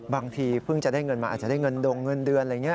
บางทีเพิ่งจะได้เงินมาอาจจะได้เงินดงเงินเดือนอะไรอย่างนี้